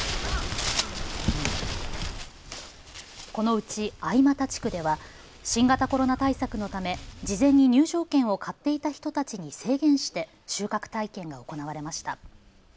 このうち相又地区では新型コロナ対策のため事前に入場券を買っていた人たちに制限して収穫体験が行われました。